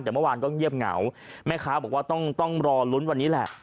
แต่เมื่อวานก็เงียบเหงาแม่ค้าบอกว่าต้องรอลุ้นวันนี้แหละ